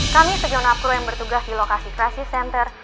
kami sejona pro yang bertugas di lokasi crisis center